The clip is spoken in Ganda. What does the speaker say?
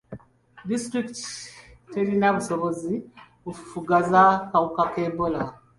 Disitulikiti terina busobozi bufufugaza kawuka ka Ebola.